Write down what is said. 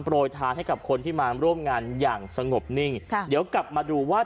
ยทานให้กับคนที่มาร่วมงานอย่างสงบนิ่งค่ะเดี๋ยวกลับมาดูว่า